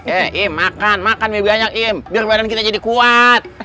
eh im makan makan lebih banyak im biar badan kita jadi kuat